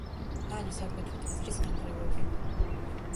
არის აგრეთვე ტაძრის ნანგრევები.